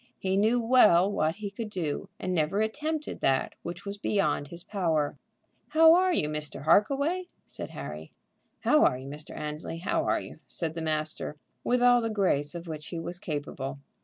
He knew well what he could do, and never attempted that which was beyond his power. "How are you, Mr. Harkaway?" said Harry. "How are you, Mr. Annesley? how are you?" said the master, with all the grace of which he was capable.